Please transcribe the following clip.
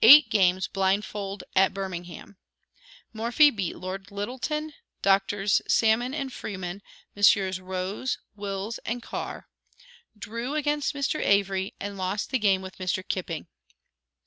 EIGHT GAMES BLINDFOLD AT BIRMINGHAM. Morphy beat Lord Lyttelton, Doctors Salmon and Freeman, Messrs. Rhodes, Wills and Carr; drew against Mr. Avery, and lost the game with Mr. Kipping.